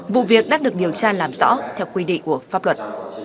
vụ việc đã được điều tra làm rõ theo quy định của pháp luật